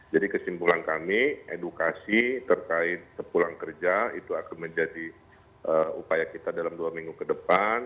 jadi kesimpulan kami edukasi terkait sepulang kerja itu akan menjadi upaya kita dalam dua minggu ke depan